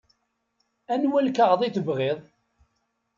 Anwa lkaɣeḍ i tebɣiḍ?